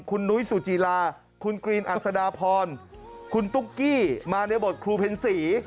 คุณนุ้ยสุจีราคุณกรีนอัศดาพรคุณตุ๊กกี้มาในบทครูเพ็ญศรี